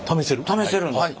試せるんですか？